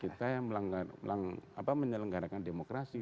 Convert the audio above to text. kita yang melanggar apa menyelenggarakan demokrasi